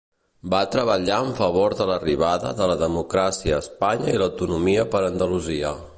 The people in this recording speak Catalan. Va treballar en favor de l'arribada de la democràcia a Espanya i l'autonomia per Andalusia.